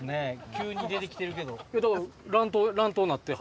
急に出てきてるけど。